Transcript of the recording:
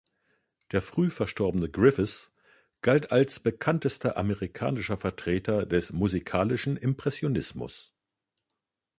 Der früh verstorbene Griffes gilt als bekanntester amerikanischer Vertreter des musikalischen Impressionismus.